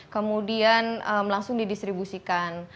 kemudian langsung didistribusikan